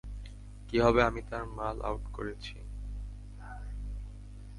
কিভাবে আমি তার মাল আউট করেছি?